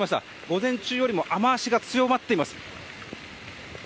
午前中よりも雨脚が強まっています。